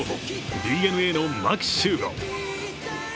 ＤｅＮＡの牧秀悟。